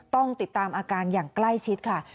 ต้องติดตามอาการอย่างใกล้ชิดค่ะ